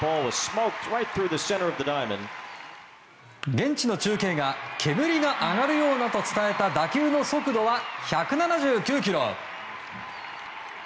現地の中継が煙が上がるようなと伝えた打球の速度は１７９キロ。